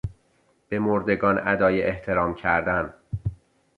به مردگان ادای احترام کردن